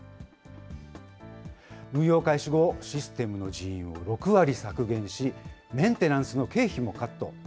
運用開始後、システムの人員を６割削減し、メンテナンスの経費もカット。